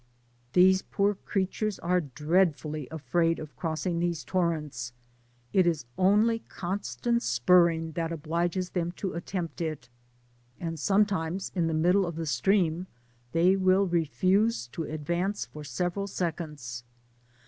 These poor creatures are dreadfully afraid of crossing such torrents; it is only constant spurring that obliges them to attempt it, and sometimes in the middle of the stream they will tremble and refuse to advance for several seconds.